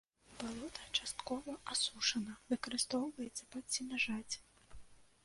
Балота часткова асушана, выкарыстоўваецца пад сенажаць.